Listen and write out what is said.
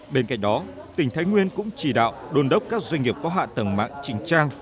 bên cạnh đó tỉnh thái nguyên cũng chỉ đạo đồn đốc các doanh nghiệp có hạ tầng mạng trình trang